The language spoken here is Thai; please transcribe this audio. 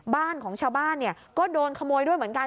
บ้านของชาวบ้านเนี่ยก็โดนขโมยด้วยเหมือนกัน